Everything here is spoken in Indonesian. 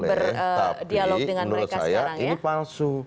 boleh tapi menurut saya ini palsu